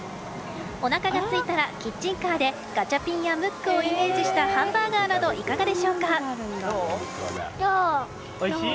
おなかがすいたらキッチンカーでガチャピンやムックをイメージしたハンバーガーなどいかがでしょうか。